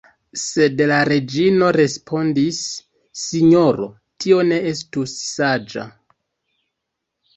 Sed la reĝino respondis: Sinjoro, tio ne estus saĝa.